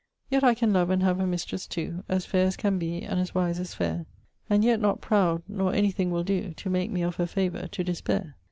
Yet I can love and have a mistresse too, As fair as can be and as wise as fair; And yet not, proud, nor anything will doe To make me of her favour to despair.